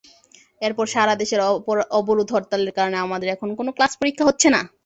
এরপর সারা দেশের অবরোধ-হরতালের কারণে আমাদের এখন কোনো ক্লাস পরীক্ষা হচ্ছে না।